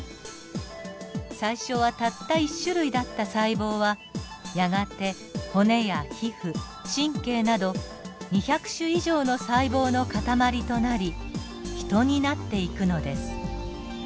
最初はたった１種類だった細胞はやがて骨や皮膚神経など２００種以上の細胞の塊となりヒトになっていくのです。